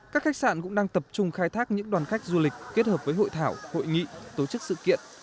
các khách sạn cũng đang tập trung khai thác những đoàn khách du lịch kết hợp với hội thảo hội nghị tổ chức sự kiện